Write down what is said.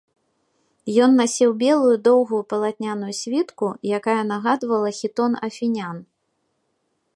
Ён насіў белую доўгую палатняную світку, якая нагадвала хітон афінян.